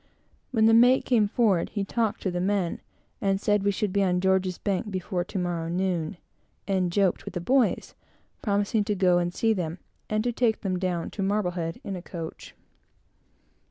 When the mate came forward, he talked to the men, and said we should be on George's Bank before to morrow noon; and joked with the boys, promising to go and see them, and to take them down to Marblehead in a coach.